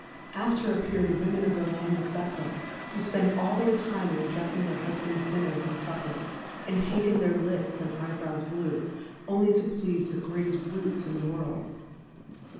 After appear the Wo men of the Land o(Jej]o^ who fpend all their Time in drefTmg their Husband's Dinners and Suppers, and painting their Lips and Eye brows Blue^ only to pleafe the Plurality (?/ WORLDS. 55 thegreateft Brutes in the World.